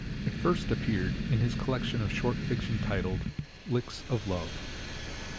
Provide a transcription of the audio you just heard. It first appeared in his collection of short fiction titled "Licks of Love".